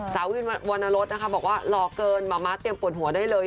สาววินวรรณรสนะคะบอกว่าหล่อเกินหมาม้าเตรียมปวดหัวได้เลย